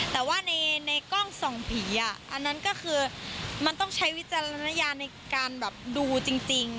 แต่ว่าในกล้องส่องผีอันนั้นก็คือมันต้องใช้วิจารณญาณในการแบบดูจริง